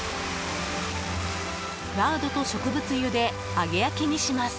ラードと植物油で揚げ焼きにします。